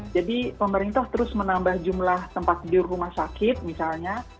jadi pemerintah terus menambah jumlah tempat di rumah sakit misalnya